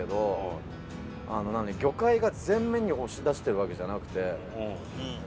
魚介が全面に押し出してるわけじゃなくて。